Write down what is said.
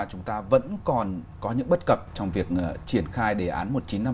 chúng ta vẫn còn có những bất cập trong việc triển khai đề án một nghìn chín trăm năm mươi